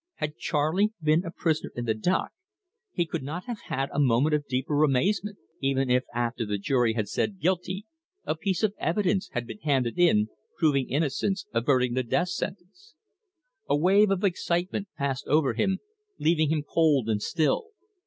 Had Charley been a prisoner in the dock, he could not have had a moment of deeper amazement even if after the jury had said Guilty, a piece of evidence had been handed in, proving innocence, averting the death sentence. A wave of excitement passed over him, leaving him cold and still.